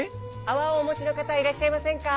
あわをおもちのかたいらっしゃいませんか？